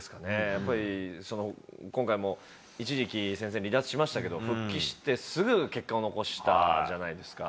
やっぱり、今回も一時期戦線離脱しましたけれども、復帰してすぐ結果を残したじゃないですか。